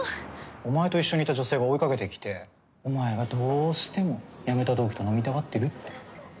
お前と一緒にいた女性が追いかけてきてお前がどうしても辞めた同期と飲みたがってるって。